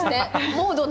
モードな。